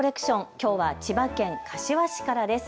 きょうは千葉県柏市からです。